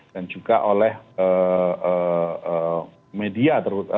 dan juga oleh media termasuk